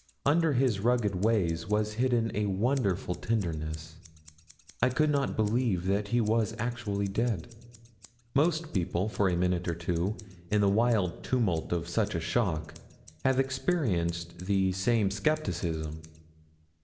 Under his rugged ways was hidden a wonderful tenderness. I could not believe that he was actually dead. Most people for a minute or two, in the wild tumult of such a shock, have experienced the same skepticism.